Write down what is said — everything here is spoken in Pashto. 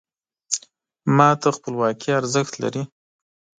ما ته خپلواکي ارزښت لري .